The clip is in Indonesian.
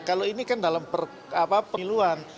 kalau ini kan dalam perluan